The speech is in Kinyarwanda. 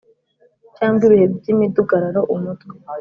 Cyangwa ibihe by’imidugararo, Umutwe